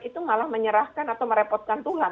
itu malah menyerahkan atau merepotkan tuhan